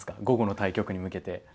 午後の対局に向けて。